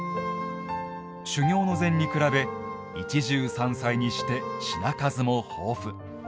修行の膳に比べ一汁三菜にして品数も豊富。